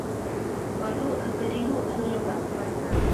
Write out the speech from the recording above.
Waʼlú apériru alé pa.